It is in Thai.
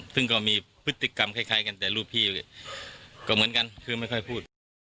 ซึ่งก็มีพฤติกรรมคล้ายกันแต่รูปพี่ก็เหมือนกันคือไม่ค่อยพูด